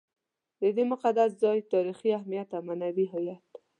د دې مقدس ځای تاریخي اهمیت او معنوي هویت.